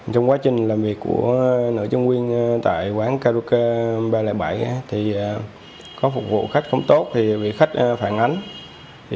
trong quá trình làm việc của nữ chung viên tại quán karaoke ba trăm linh bảy có phục vụ khách không tốt vì khách phản ánh